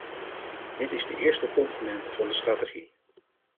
Dat is de eerste component van de strategie.